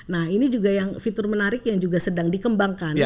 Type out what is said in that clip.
nah ini juga yang fitur menarik yang juga sedang dikembangkan